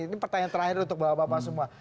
ini pertanyaan terakhir untuk bapak bapak semua